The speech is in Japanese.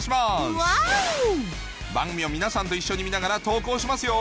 番組を皆さんと一緒に見ながら投稿しますよ